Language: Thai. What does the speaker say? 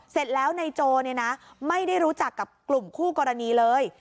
เสร็จแล้วนายโจไม่ได้รู้จักกับกลุ่มคู่กรณีเลย